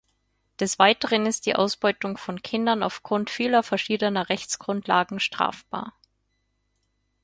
Des Weiteren ist die Ausbeutung von Kindern aufgrund vieler verschiedener Rechtsgrundlagen strafbar.